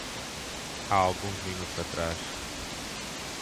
Há alguns minutos atrás